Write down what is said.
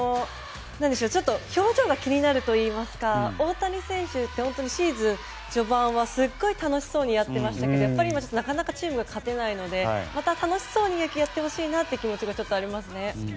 ちょっと表情が気になるといいますか大谷選手ってシーズン序盤はすごい楽しそうにやってましたけどなかなかチームが勝てないのでまた楽しそうに野球をやってほしいなって気持ちがありますね。